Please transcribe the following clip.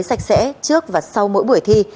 sạch sẽ trước và sau mỗi buổi thi